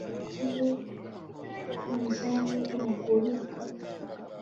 kimwe n’umuzamu w’Amavubi Bakame